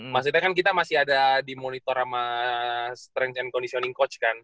maksudnya kan kita masih ada di monitor sama strength and conditioning coach kan